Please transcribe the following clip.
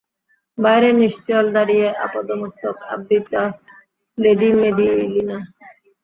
বাইরে নিশ্চল দাঁড়িয়ে আপাদমস্তক আবৃতা লেডি মেডিলিনী!